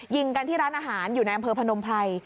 ยิงกันที่ร้านอาหารอยู่ในอำเภอพนมไพร